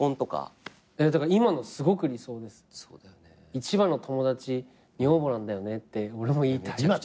一番の友達女房なんだよねって俺も言いたい。